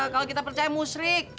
kalau kita percaya musrik